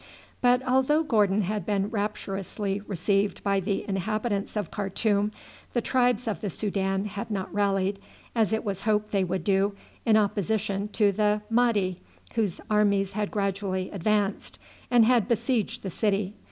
But although Gordon had been rapturously received by the inhabitants of Khartoum, the tribes of the Soudan had not rallied, as it was hoped they would do, in opposition to the Mahdi, whose armies had gradually advanced and had besieged the city.